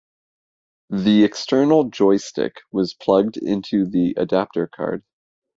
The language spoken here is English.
The external joystick was plugged into the adapter card.